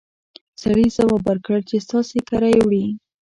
سړي ځواب ورکړ چې ستاسې کره يې وړي!